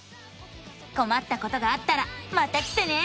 こまったことがあったらまた来てね！